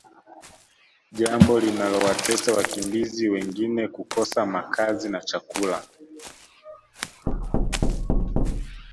jambo linalowatesa wakimbizi wengini kukosa makazi na chakula